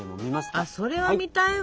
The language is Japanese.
あそれは見たいわ！